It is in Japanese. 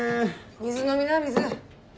水飲みな水。